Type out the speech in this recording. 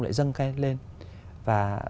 lại dâng lên và